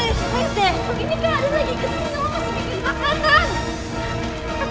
eh ini kayaknya dia lagi kesel masih bikin kekatan